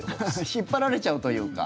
引っ張られちゃうというか。